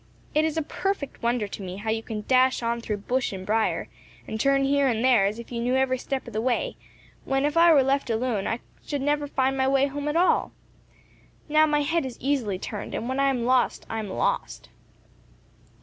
It is a perfect wonder to me how you can dash on through bush and brier, and turn here and there, as if you knew every step of the way, when, if I were left alone, I should never find my way home at all. Now my head is easily turned, and when I am once lost, I am lost."